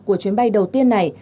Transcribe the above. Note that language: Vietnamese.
của chuyến bay đầu tiên này